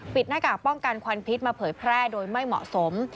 หน้ากากป้องกันควันพิษมาเผยแพร่โดยไม่เหมาะสม